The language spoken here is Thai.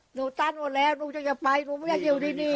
ตันหมดแล้วหนูจะไปหนูไม่อยากอยู่ที่นี่